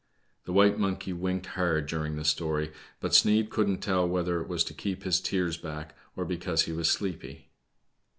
The white monkey winked hard during the story, but Sneid couldn't tell whether it was to keep his tears back, or because he was sleepy.